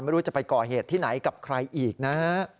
ไม่รู้จะไปก่อเหตุที่ไหนกับใครอีกนะฮะ